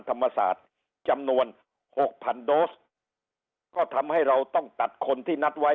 ธรรมศาสตร์จำนวนหกพันโดสก็ทำให้เราต้องตัดคนที่นัดไว้